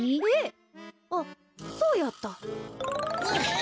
あっそうやった。